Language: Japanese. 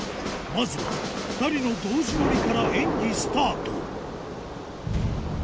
まずは２人の同時乗りから演技スタート